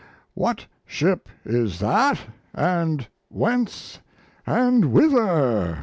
What ship is that, and whence and whither?'